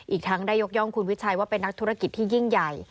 อีกทั้งได้ยกย่องคุณวิชัยว่าเป็นนักธุรกิจที่ยิ่งใหญ่